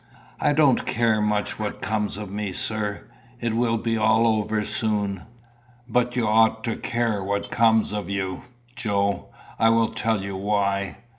"I don't much care what comes of me, sir. It will be all over soon." "But you ought to care what comes of you, Joe. I will tell you why.